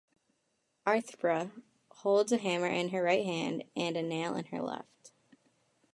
Athrpa holds a hammer in her right hand and a nail in her left.